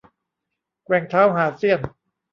แกว่งเท้าหาเสี้ยน